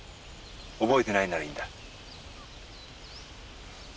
覚えてないんならいいんだ。